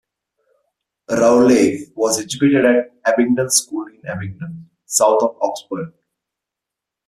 Rowley was educated at Abingdon School in Abingdon, south of Oxford.